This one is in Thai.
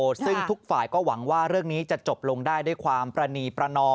ซึ่งทุกฝ่ายก็หวังว่าเรื่องนี้จะจบลงได้ด้วยความประนีประนอม